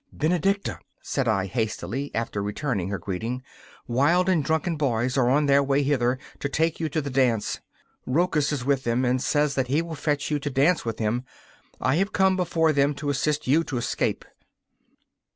'Benedicta,' said I, hastily, after returning her greeting, 'wild and drunken boys are on their way hither to take you to the dance. Rochus is with them, and says that he will fetch you to dance with him. I have come before them to assist you to escape.